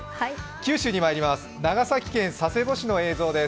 九州に参ります、長崎県佐世保市の映像です。